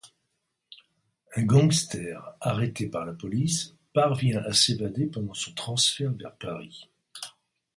Un gangster, arrêté par la police, parvient à s'évader pendant son transfert vers Paris.